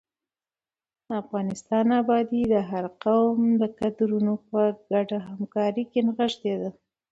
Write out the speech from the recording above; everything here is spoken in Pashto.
د افغانستان ابادي د هر قوم د کدرونو په ګډه همکارۍ کې نغښتې ده.